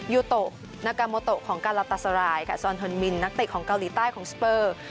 ยูโตะนากาโมโตของกาลาตาซารายค่ะซอนทนมินนักเตะของเกาหลีใต้ของสเปอร์